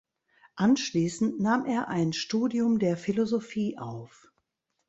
Anschließend nahm er ein Studium der Philosophie auf.